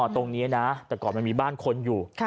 ตรงนี้นะแต่ก่อนมันมีบ้านคนอยู่